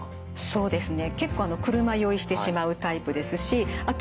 そうですよね。